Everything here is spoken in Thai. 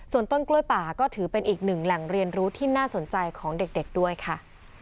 ส่วนต้นกล้วยป่าก็ถือเป็นอีกหนึ่งแหล่งเรียนรู้ที่น่าสนใจของเด็กด้วยค่ะ